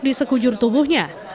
di sekujur tubuhnya